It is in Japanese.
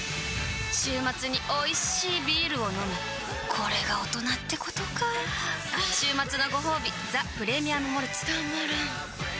週末においしいビールを飲むあ週末のごほうび「ザ・プレミアム・モルツ」たまらんっ